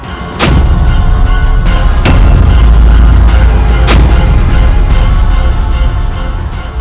dia hampir saja melukai